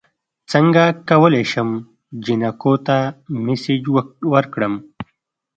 څنګه کولی شم جینکو ته میسج ورکړم